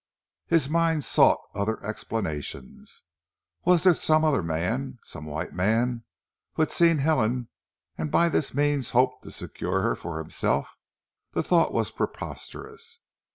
His mind sought other explanations. Was there some other man, some white man who had seen Helen and by this means hoped to secure her for himself? The thought was preposterous.